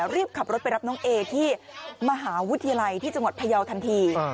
รีบขับรถไปรับน้องเอที่มหาวิทยาลัยที่จังหวัดพยาวทันที